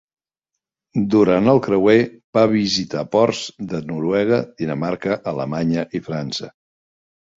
Durant el creuer, va visitar ports de Noruega, Dinamarca, Alemanya i França.